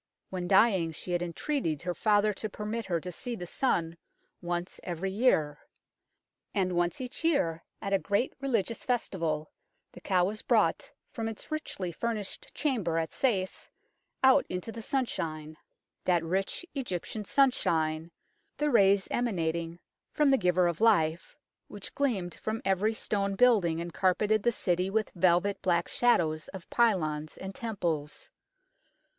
When dying she had entreated her father to permit her to see the sun once every year. And once each year, at a great religious festival, the cow was brought from its richly furnished chamber at Sais out into the sunshine that rich Egyptian sunshine, the rays emanating from the Giver of Life, which gleamed from every stone building and carpeted the city with velvet black shadows of pylons and temples.